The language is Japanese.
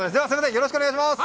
よろしくお願いします。